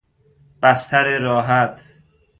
بستر راحت